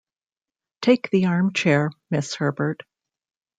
Take the armchair, Miss Herbert.